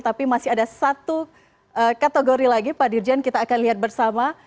tapi masih ada satu kategori lagi pak dirjen kita akan lihat bersama